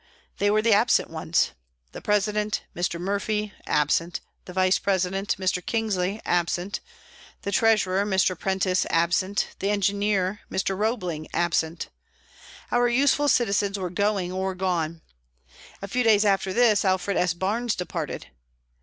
They were the absent ones: The president, Mr. Murphy, absent; the vice president, Mr. Kingsley, absent; the treasurer, Mr. Prentice, absent; the engineer, Mr. Roebling, absent. Our useful citizens were going or gone. A few days after this Alfred S. Barnes departed.